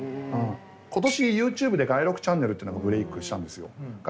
今年ＹｏｕＴｕｂｅで「街録ｃｈ」っていうのがブレークしたんですよ。